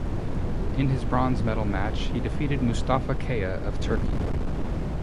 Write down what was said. In his bronze medal match he defeated Mustafa Kaya of Turkey.